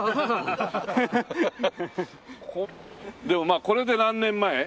でもまあこれで何年前？